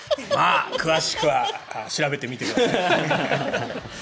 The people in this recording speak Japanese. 詳しくは調べてみてください。